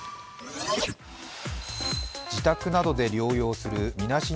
自宅などで療養するみなし